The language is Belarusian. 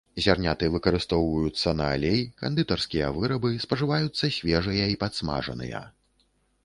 Зярняты выкарыстоўваюцца на алей, кандытарскія вырабы, спажываюцца свежыя і падсмажаныя.